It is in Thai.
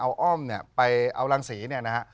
เอาอ้อมเนี่ยไปเอารังสีเนี่ยนะฮะ